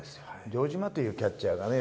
城島というキャッチャーがね